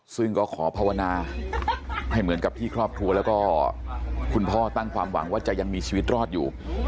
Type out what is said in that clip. ซึ่งก็ขอภาวนาให้เหมือนกับที่ครอบครัวแล้วก็คุณพ่อตั้งความหวังว่าจะยังมีชีวิตรอดอยู่